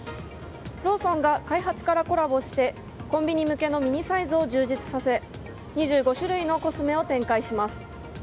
ローソンが開発からコラボしてコンビニ向けのミニサイズを充実させ２５種類のコスメを展開します。